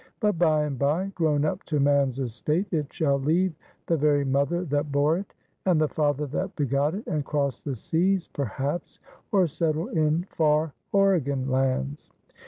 But, by and by, grown up to man's estate, it shall leave the very mother that bore it, and the father that begot it, and cross the seas, perhaps, or settle in far Oregon lands.